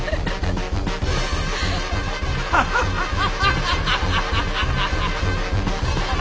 ハハハハ！